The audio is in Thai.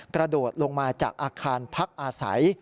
กระโดดลงมาจากอาคารพักอาศัย